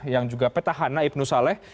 yang juga petahana ibnu saleh